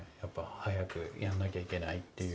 早くやんなきゃいけないっていう。